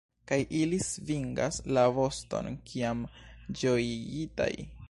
Kaj ili svingas la voston, kiam ĝojigitaj.